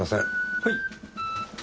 はい。